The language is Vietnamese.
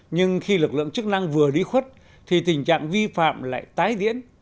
nhưng khi lực lượng chức năng vừa đi khuất thì tình trạng vi phạm lại tái diễn